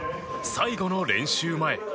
最後の練習前。